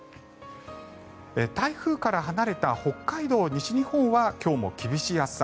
台風から離れた北海道、西日本は今日も厳しい暑さ。